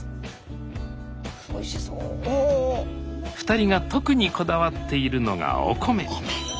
２人が特にこだわっているのがお米。